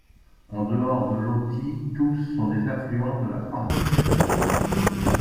En dehors de l'Authie, tous sont des affluents de la Canche.